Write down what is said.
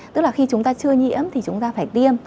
tức là khi chúng ta chưa nhiễm thì chúng ta phải tiêm